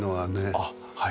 あっはい。